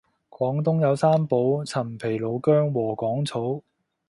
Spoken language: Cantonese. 廣東有三寶陳皮老薑禾桿草